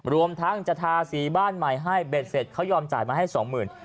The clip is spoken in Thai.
รวมทั้งจะทาสีบ้านใหม่ให้เบ็ดเสร็จเขายอมจ่ายมาให้สองหมื่น